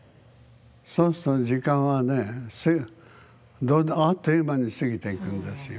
そうすると時間はねあっという間に過ぎていくんですよ。